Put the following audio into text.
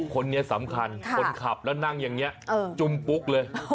คนนี้สำคัญคนขับแล้วนั่งอย่างนี้จุมปุ๊กเลย